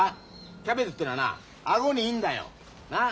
キャベツってのはな顎にいいんだよ。なあ？